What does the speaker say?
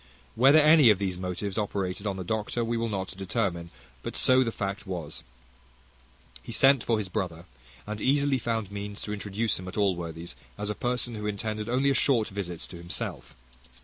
Whether any of these motives operated on the doctor, we will not determine; but so the fact was. He sent for his brother, and easily found means to introduce him at Allworthy's as a person who intended only a short visit to himself.